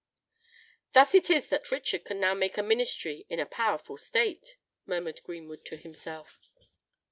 "Thus is it that Richard can now make a Ministry in a powerful State!" murmured Greenwood to himself.